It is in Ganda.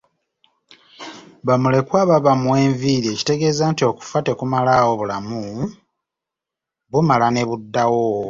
Ba mulekwa babamwa enviiri ekitegeeza nti okufa tekumalaawo bulamu, bumala ne buddawo.